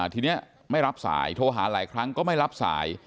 ทีนี้ไม่รับสายโทรหาหลายครั้งก็ไม่รับสาย